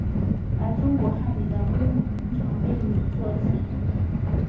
而中古汉语的微母通常被拟作此音。